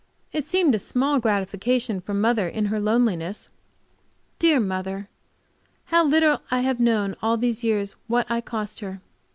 It seemed a small gratification for mother in her loneliness. Dear mother! How little I have known all these years what I cost her!